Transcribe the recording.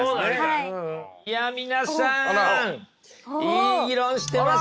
いや皆さんいい議論してますね。